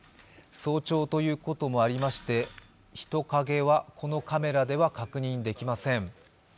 早朝ということもありまして、人影はこのカメラでは確認できません。